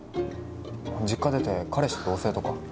実家出て彼氏と同棲とか？